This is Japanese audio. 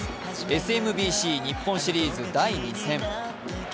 ＳＭＢＣ日本シリーズ第２戦。